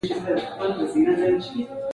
پروژی لرئ؟